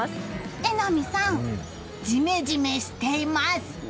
榎並さん、ジメジメしています。